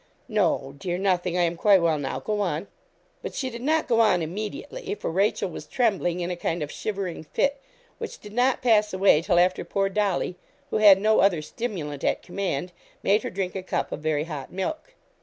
'No, dear nothing I am quite well now go on.' But she did not go on immediately, for Rachel was trembling in a kind of shivering fit, which did not pass away till after poor Dolly, who had no other stimulant at command, made her drink a cup of very hot milk.